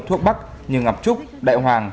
thuốc bắc như ngập trúc đại hoàng